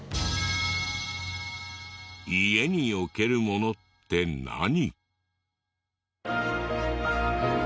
家に置けるものって何？